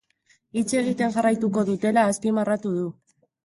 Hitz egiten jarraituko dutela azpimarratu du.